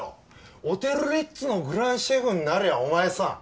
オテル・リッツのグランシェフになりゃお前さん